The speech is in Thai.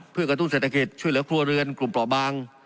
เพื่อกระตุ้นเศรษฐกิจช่วยเหลือครัวเรือนกลุ่มเปราะบาง